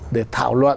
để thảo luận